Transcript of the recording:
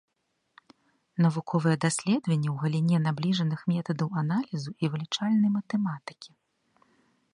Навуковыя даследаванні ў галіне набліжаных метадаў аналізу і вылічальнай матэматыкі.